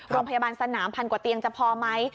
โรงพยาบาลสนามพันกว่าเตียงจะพอไหม